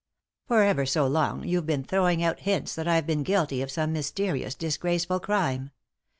For ever so long you've been throwing out hints that I've been guilty of some mysterious, disgraceful crime.